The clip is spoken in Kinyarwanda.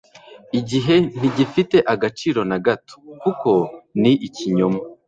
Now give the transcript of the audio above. igihe ntigifite agaciro na gato, kuko ni ikinyoma